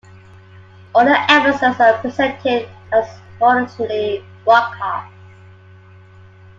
All the episodes are presented as originally broadcast.